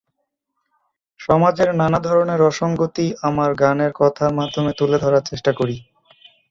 সমাজের নানা ধরনের অসংগতি আমার গানের কথার মাধ্যমে তুলে ধরার চেষ্টা করি।